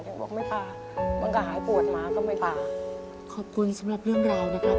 บอกไม่พามันก็หายปวดหมาก็ไม่พาขอบคุณสำหรับเรื่องราวนะครับ